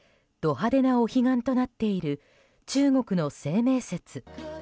派手なお彼岸となっている中国の清明節。